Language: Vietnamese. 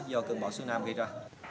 do cơn bão sương nam gây ra